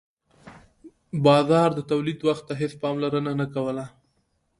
بازار د تولید وخت ته هیڅ پاملرنه نه کوله.